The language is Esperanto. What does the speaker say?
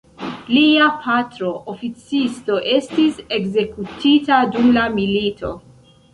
Lia patro oficisto estis ekzekutita dum la milito.